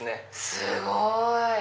すごい！